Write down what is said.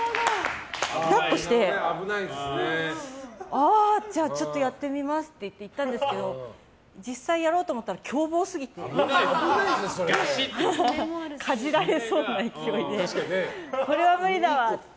ああ、じゃあやってみますって言ったんですけど実際やろうとおもったら凶暴すぎてかじられそうな勢いでこれは無理だわって。